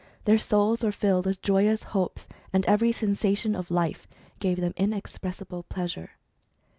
Their souls were filled with joyous hopes, and every sensation of life gave them inexpressible pleasure.